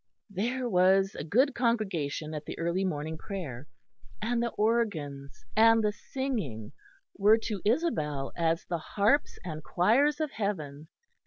There was a good congregation at the early morning prayer; and the organs and the singing were to Isabel as the harps and choirs of heaven.